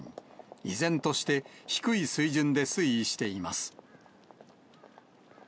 依然として低い水準で推移しています。